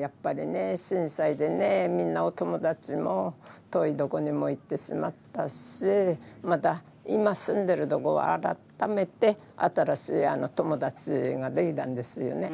やっぱり震災でお友達も遠いところにも行ってしまったし今、住んでいるところは改めて新しい友達ができたんですよね。